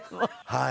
はい。